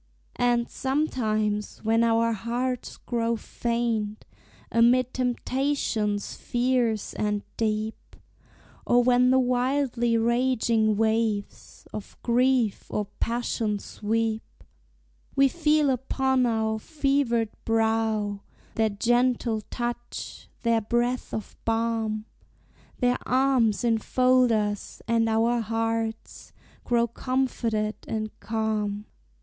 And sometimes, when our hearts grow faint Amid temptations fierce and deep, Or when the wildly raging waves Of grief or passion sweep, We feel upon our fevered brow Their gentle touch, their breath of balm; Their arms enfold us, and our hearts Grow comforted and calm.